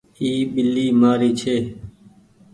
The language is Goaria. اي ٻلي مآري ڇي۔